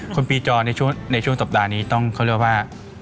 คนปีจอในช่วงสัปดาห์นี้ต้องเขาเรียกว่า